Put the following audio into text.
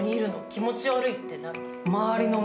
気持ち悪いってなるの。